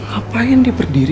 ngapain dia berdiri